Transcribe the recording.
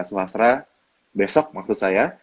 sukastra besok maksud saya